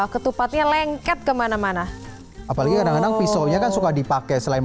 ketupatnya lengket kemana mana apalagi kadang kadang pisaunya kan suka dipakai selain